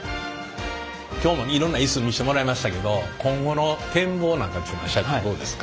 今日もいろんなイス見してもらいましたけど今後の展望なんかは社長どうですか？